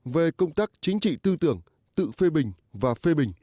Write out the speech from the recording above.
về công tác chính trị tư tưởng tự phê bình và phê bình